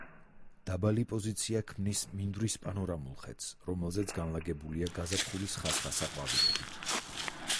დაბალი პოზიცია ქმნის მინდვრის პანორამულ ხედს რომელზეც განლაგებულია გაზაფხულის ხასხასა ყვავილები.